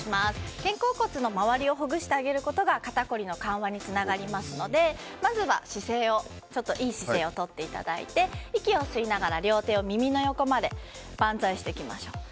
肩甲骨の周りをほぐしてあげることが肩凝りの緩和につながりますので、まずはいい姿勢をとっていただいて息を吸いながら両手を耳の横まで万歳してきましょう。